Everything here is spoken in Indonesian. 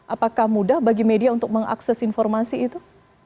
apakah mudah bagi media untuk mengakses informasi itu